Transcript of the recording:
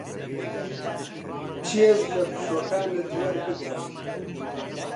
چێژ لە پشووەکانت وەربگرە.